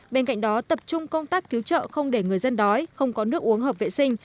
bên cạnh đó tập trung công tác cứu trợ không để người dân đói không có nước uống hợp vệ sinh